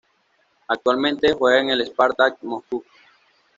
Actualmente juega en el Spartak Moscú.